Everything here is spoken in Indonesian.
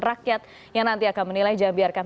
rakyat yang nanti akan menilai jangan biarkan